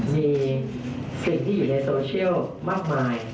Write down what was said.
มีสิ่งที่อยู่ในโซเชียลมากมาย